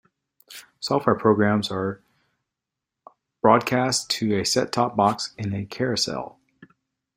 Software programs are broadcast to the set-top box in a 'carousel'.